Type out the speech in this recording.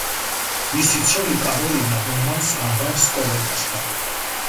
მისი ცოლი კაროლინა რომანს აბამს კოლეგასთან.